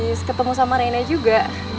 terus ketemu sama reina juga